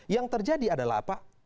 yang terjadi adalah apa